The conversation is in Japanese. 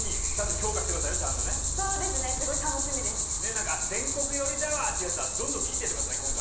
何か「全国寄りだわ」っていうやつはどんどん切っていって下さい今回。